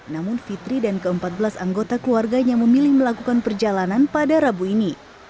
namun fitri dan ke empat belas anggota keluarganya memilih melakukan perjalanan pada rabu ini